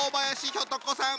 ひょと子さん！